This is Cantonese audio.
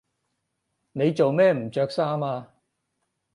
你做咩唔着衫呀？